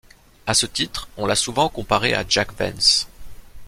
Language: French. A ce titre on l'a souvent comparée à Jack Vance.